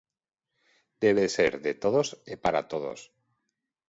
Debe ser de todos e para todos.